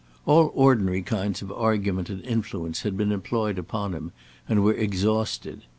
All ordinary kinds of argument and influence had been employed upon him, and were exhausted.